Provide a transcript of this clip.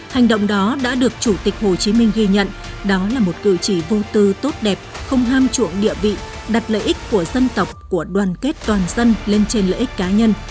hành động đó đã được chủ tịch hồ chí minh ghi nhận đó là một cử chỉ vô tư tốt đẹp không ham chuộng địa vị đặt lợi ích của dân tộc của đoàn kết toàn dân lên trên lợi ích cá nhân